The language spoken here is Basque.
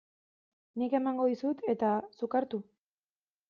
Nik emango dizut eta zuk hartu?